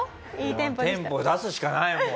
テンポを出すしかないもん